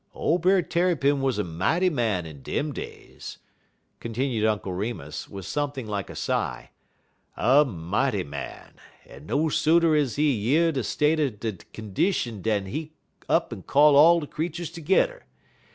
Ole Brer Tarrypin wuz a mighty man in dem days," continued Uncle Remus, with something like a sigh, "a mighty man, en no sooner is he year de state er de condition dan he up'n call all de creeturs tergedder.